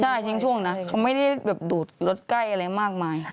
ใช่ทิ้งช่วงนะเขาไม่ได้แบบดูดรถใกล้อะไรมากมาย